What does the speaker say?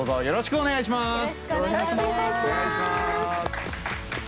よろしくお願いします。